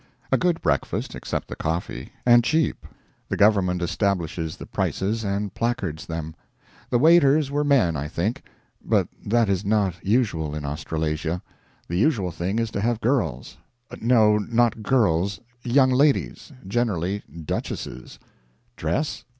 A good breakfast, except the coffee; and cheap. The Government establishes the prices and placards them. The waiters were men, I think; but that is not usual in Australasia. The usual thing is to have girls. No, not girls, young ladies generally duchesses. Dress?